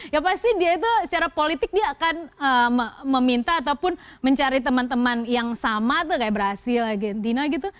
ya pasti dia itu secara politik dia akan meminta ataupun mencari teman teman yang sama tuh kayak brazil argentina gitu